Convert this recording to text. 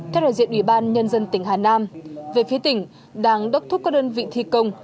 theo đoàn diện ủy ban nhân dân tỉnh hà nam về phía tỉnh đảng đốc thuốc các đơn vị thi công